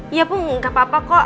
iya bu nggak apa apa kok